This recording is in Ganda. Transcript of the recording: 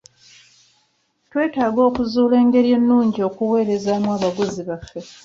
Twetaaga okuzuula engeri ennungi okuweerezaamu abaguzi baffe.